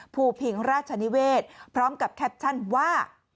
ภูพิงราชนิเวศพร้อมกับแคปชั่นว่า